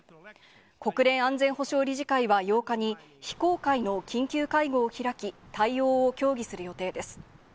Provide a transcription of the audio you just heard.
国連安全保障理事会は８日に、非公開の緊急会合を開き、対応を協議する予定です。